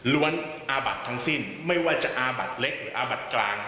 อาบัดทั้งสิ้นไม่ว่าจะอาบัดเล็กหรืออาบัดกลาง